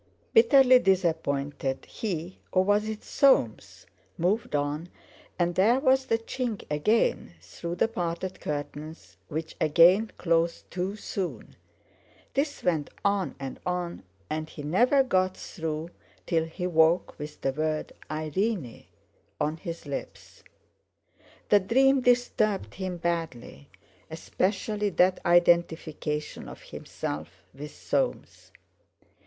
Bitterly disappointed he—or was it Soames?—moved on, and there was the chink again through the parted curtains, which again closed too soon. This went on and on and he never got through till he woke with the word "Irene" on his lips. The dream disturbed him badly, especially that identification of himself with Soames.